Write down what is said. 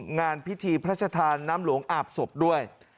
งานพิธีพระชธานน้ำหลวงอาบศพด้วย